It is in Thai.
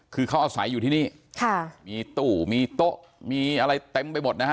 คือเขาอาศัยอยู่ที่นี่ค่ะมีตู้มีโต๊ะมีอะไรเต็มไปหมดนะฮะ